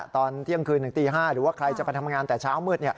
ตอนเที่ยงคืนถึงตี๕หรือว่าใครจะไปทำงานแต่เช้ามืด